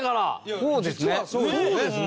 そうですね。